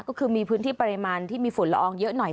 ก็คือมีพื้นที่ปริมาณที่มีฝุ่นละอองเยอะหน่อย